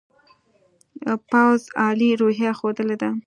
پوځ عالي روحیه ښودلې ده.